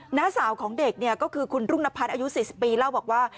หน้าสาวของเด็กเนี่ยก็คือคุณรุ่งนพัฒน์อายุ๔๐ปีเล่าบอกว่า